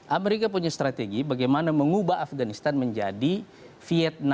amerika punya strategi bagaimana mengubah afganistan menjadi vietnam